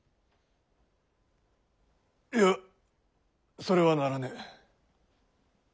いやそれはならねぇ。